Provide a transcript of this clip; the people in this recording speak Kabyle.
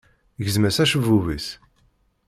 Gzem-as acebbub-is.